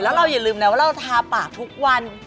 แล้วเราอย่าลืมนะว่าเราทาปากทุกวัน